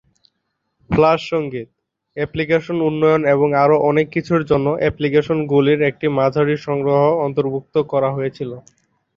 Flash সঙ্গীত, application উন্নয়ন এবং আরও অনেক কিছুর জন্য অ্যাপ্লিকেশনগুলির একটি মাঝারি সংগ্রহ অন্তর্ভুক্ত করা হয়েছিল।